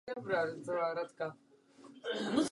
Gangy spolu už od počátku hrají hru na život a na smrt.